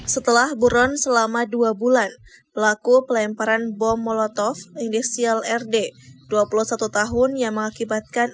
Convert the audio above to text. setelah buron selama dua bulan pelaku pelemparan bom molotov inisial rd dua puluh satu tahun yang mengakibatkan